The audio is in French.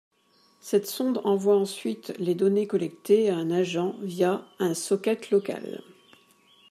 Cette sonde envoie ensuite les données collectées à un agent via un socket local